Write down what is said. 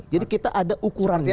jadi kita ada ukurannya